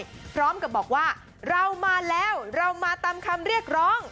พร้อมกับบอกว่าเรามาแล้วเรามาตามคำเรียกร้อง